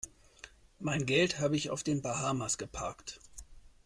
Mein Geld habe ich auf den Bahamas geparkt.